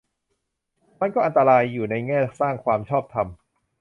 มันก็อันตรายอยู่ ในแง่สร้างความชอบธรรม